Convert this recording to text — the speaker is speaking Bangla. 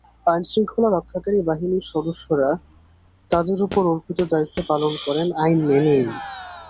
আইনশৃঙ্খলা রক্ষাকারী বাহিনীর সদস্যরা তাঁদের ওপর অর্পিত দায়িত্ব পালন করেন আইন মেনেই।